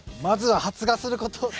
まずは発芽すること！